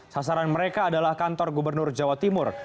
sasaran mereka adalah kantor gubernur jawa timur